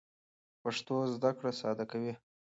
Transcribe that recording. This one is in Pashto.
پښتو زده کړه ساده کوي.